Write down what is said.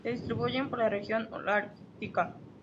Se distribuyen por la región holártica.